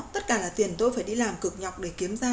tất cả là tiền tôi phải đi làm cực nhọc để kiếm ra